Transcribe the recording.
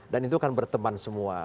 dan itu kan berteman semua